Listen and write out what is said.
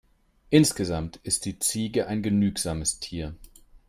Insgesamt ist die Ziege ein genügsames Tier.